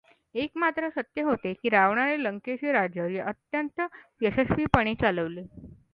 एक मात्र सत्य होते की रावणाने लंकेचे राज्य अत्यंत यशस्वीपणे चालवले.